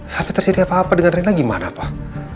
sampai terjadi apa apa dengan rina gimana pak